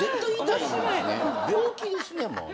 病気ですねもう。